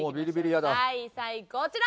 第３位こちら！